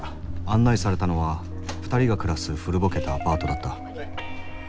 案内されたのは２人が暮らす古ぼけたアパートだった。